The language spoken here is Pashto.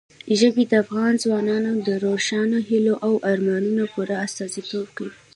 ژبې د افغان ځوانانو د روښانه هیلو او ارمانونو پوره استازیتوب کوي.